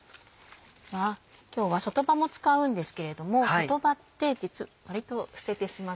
今日は外葉も使うんですけれども外葉って割と捨ててしまったり。